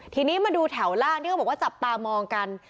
ทีนี้มาดูแถวล่างที่เขาบอกว่าจับตามองกัน